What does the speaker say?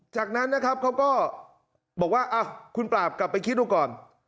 จากนั้นนะครับเขาก็บอกว่าคุณปราบกลับไปคิดดูก่อน